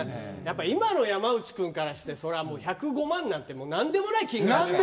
今の山内君からして１０５万なんて何でもない金額だからね。